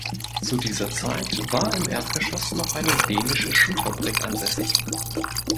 Zu dieser Zeit war im Erdgeschoss noch eine dänische Schuhfabrik ansässig.